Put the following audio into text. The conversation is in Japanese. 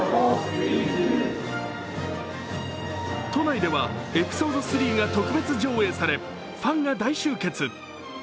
都内では「エピソード３」が特別上映され、ファンが大集結。